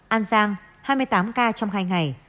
an giang hai mươi tám ca trong hai ngày